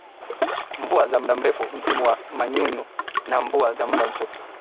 mvua za muda mrefu msimu wa manyunyu na mvua za muda mfupi